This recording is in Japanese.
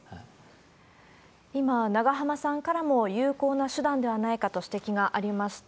今、永濱さんからも有効な手段ではないかと指摘がありました。